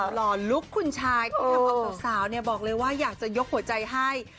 หล่อหล่อลุกคุณชายสาวเนี่ยบอกเลยว่าอยากจะยกหัวใจให้